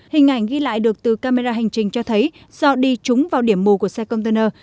hình ảnh ghi lại được từ camera hành trình cho thấy do đi trúng vào điểm mù của xe container